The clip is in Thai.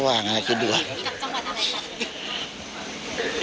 ก็ว่างานคิดดีกว่า